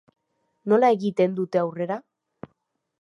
Nola egin dute aurrera?